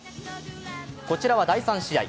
こちらは第３試合。